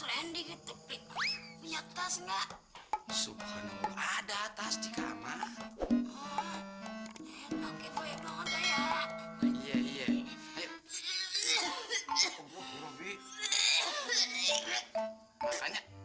hai oh pinjem tas waalaikumsalam sebentar kayak ada tamu di belakang ya